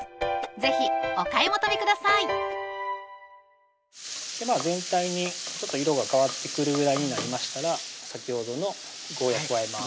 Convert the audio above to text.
是非お買い求めください全体に色が変わってくるぐらいになりましたら先ほどのゴーヤ加えます